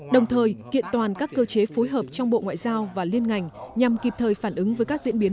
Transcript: đồng thời kiện toàn các cơ chế phối hợp trong bộ ngoại giao và liên ngành nhằm kịp thời phản ứng với các diễn biến